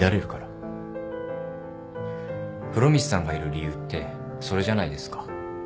風呂光さんがいる理由ってそれじゃないですか？